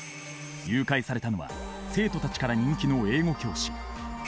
誘拐されたのは生徒たちから人気の英語教師。